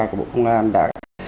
của bộ công an đã